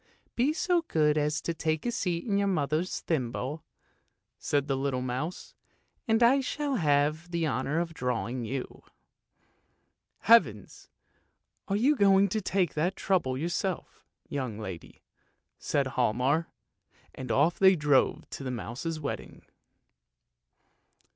"Be so good as to take a seat in your mother's thimble," said the little mouse, " and I shall have the honour of drawing you! "" Heavens! are you going to take that trouble yourself, young lady? " said Hialmar, and off they drove to the mouse's wedding.